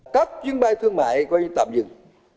các chuyến bay thương mại quay tạm dừng